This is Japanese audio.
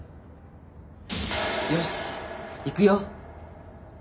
よしいくよ。